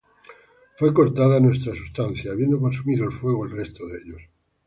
Fué cortada nuestra sustancia, Habiendo consumido el fuego el resto de ellos.